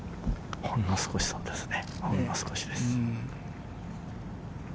ほんの少し、そうですね。